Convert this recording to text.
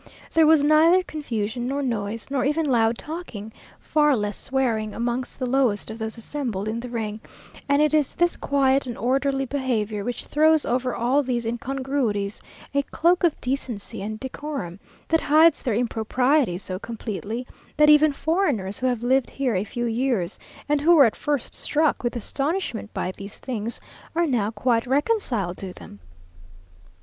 There was neither confusion, nor noise, nor even loud talking, far less swearing, amongst the lowest of those assembled in the ring; and it is this quiet and orderly behaviour which throws over all these incongruities a cloak of decency and decorum, that hides their impropriety so completely, that even foreigners who have lived here a few years, and who were at first struck with astonishment by these things, are now quite reconciled to them.